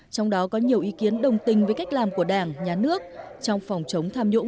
trong đó có nhiều ý kiến đồng tình với cách làm của đảng nhà nước trong phòng chống tham nhũng